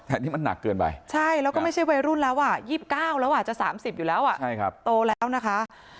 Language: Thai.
แต่นี่มันหนักเกินไปใช่แล้วก็ไม่ใช่วัยรุ่นแล้วอ่ะ๒๙แล้วอ่ะจะ๓๐อยู่แล้วโตแล้วนะคะ